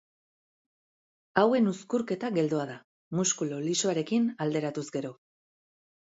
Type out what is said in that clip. Hauen uzkurketa geldoa da, muskulu lisoarekin alderatuz gero.